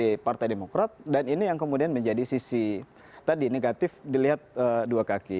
jadi ini yang menjadi sisi negatif dilihat dua kaki